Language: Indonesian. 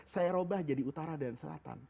saya ubah jadi utara dan selatan